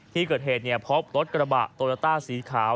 ที่เกิดเหตุเนี่ยเพราะรถกระบะโตรต้าสีขาว